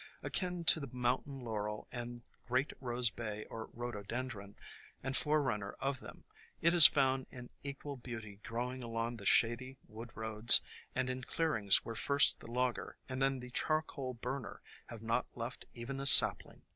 Akin to the Mountain Laurel and Great Rose Bay or Rhododendron, and forerunner of them, it is found in equal beauty growing along shady wood roads and in clearings where first the logger and then the charcoal burner have not left even a sapling.